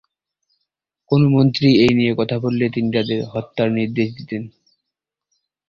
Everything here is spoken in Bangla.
কোনো মন্ত্রী এই নিয়ে কথা বললে তিনি তাদের হত্যার নির্দেশ দিতেন।